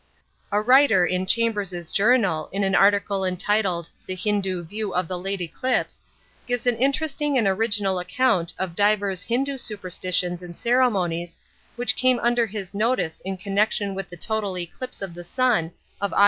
A writer in Chambers's Journal in an article entitled "The Hindu view of the late Eclipse," gives an interesting and original account of divers Hindu superstitions and ceremonies which came under his notice in connection with the total eclipse of the Sun of Aug.